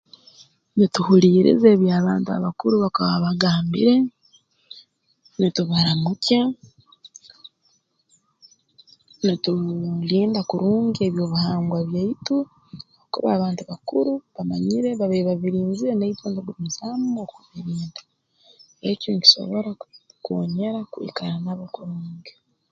Nituhuliiriza ebi abantu abakuru bakuba bagambire nitubaramukya nituu linda kurungi ebyobuhangwa byaitu habwokuba abantu bakuru bamanyire babaire babirinzire naitwe ntugumizaamu okubirinda ekyo nkisobora kukoonyera kwikara nabo kurungi